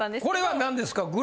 これは何ですか？